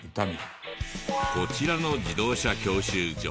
こちらの自動車教習所。